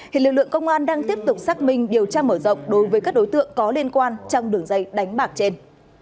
hiện lực lượng công an đang tiếp tục xác minh điều tra mở rộng đối với các đối tượng có liên quan trong đường dây đánh bạc trên